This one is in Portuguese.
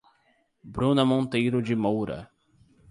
Bruna Monteiro de Moura